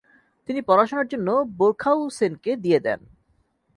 তিনি পড়াশোনার জন্য বোর্খাউসেনকে দিয়ে দেন।